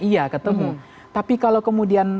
iya ketemu tapi kalau kemudian